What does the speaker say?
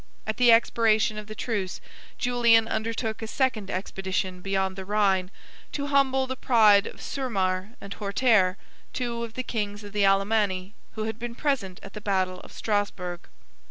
At the expiration of the truce, Julian undertook a second expedition beyond the Rhine, to humble the pride of Surmar and Hortaire, two of the kings of the Alemanni, who had been present at the battle of Strasburgh.